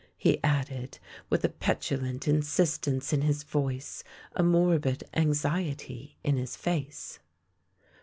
" he added, with a petulant insistence in his voice, a mor bid anxiety in his face.